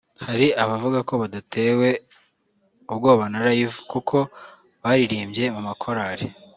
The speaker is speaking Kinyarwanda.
Hari abavuga ko badatewe ubwoba na Live kuko baririmbye mu makorari